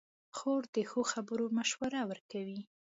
خور د ښو خبرو مشوره ورکوي.